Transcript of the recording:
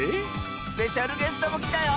スペシャルゲストもきたよ！